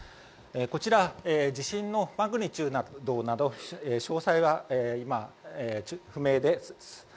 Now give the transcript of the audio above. こちら地震のマグニチュードなど詳細は今、不明です。